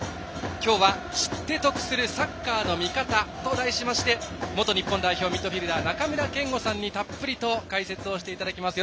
今日は「知って得するサッカーの見方」と題しまして元日本代表ミッドフィールダー中村憲剛さんにたっぷりと解説をしていただきます。